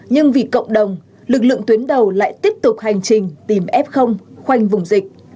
nhưng vì cộng đồng lực lượng tuyến đầu lại tiếp tục hành trình tìm f khoanh vùng dịch